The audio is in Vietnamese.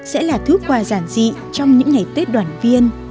sẽ là thước quà giản dị trong những ngày tết đoàn viên